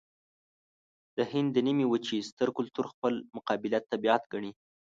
د هند د نيمې وچې ستر کلتور خپل مقابل طبیعت ګڼي.